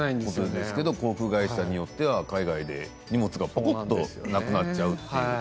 航空会社によっては海外で荷物がぽこっとなくなっちゃうという。